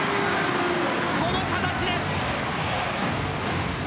この形です。